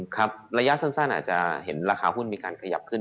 ครับระยะสั้นอาจจะเห็นราคาหุ้นมีการขยับขึ้น